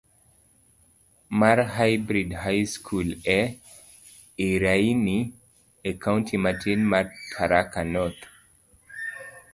mar Hybrid High School e Iriaini, e kaunti matin mar Tharaka North.